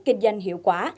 kinh doanh hiệu quả